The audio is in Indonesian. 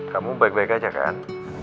kamu baik baik aja kan